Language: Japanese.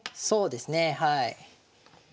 そうですねはい。